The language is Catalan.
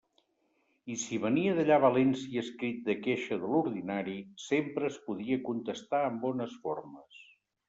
I, si venia d'allà València escrit de queixa de l'ordinari, sempre es podia contestar amb bones formes.